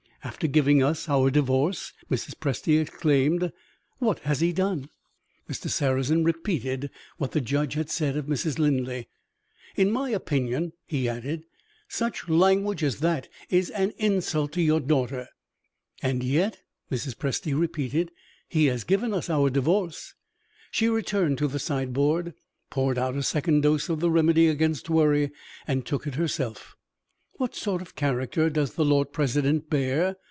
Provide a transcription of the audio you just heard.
"After giving us our Divorce!" Mrs. Presty exclaimed. "What has he done?" Mr. Sarrazin repeated what the judge had said of Mrs. Linley. "In my opinion," he added, "such language as that is an insult to your daughter." "And yet," Mrs. Presty repeated, "he has given us our Divorce." She returned to the sideboard, poured out a second dose of the remedy against worry, and took it herself. "What sort of character does the Lord President bear?"